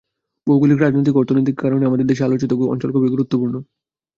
ভৌগোলিক, রাজনৈতিক ও অর্থনৈতিক কারণে আমাদের দেশের আলোচিত অঞ্চল খুবই গুরুত্বপূর্ণ।